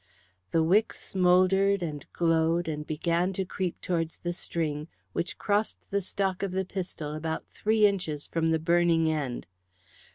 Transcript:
The wick smouldered and glowed, and began to creep towards the string, which crossed the stock of the pistol about three inches from the burning end.